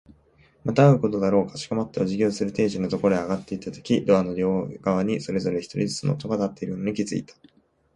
また会うことだろう。かしこまってお辞儀をする亭主のところへ上がっていったとき、ドアの両側にそれぞれ一人ずつの男が立っているのに気づいた。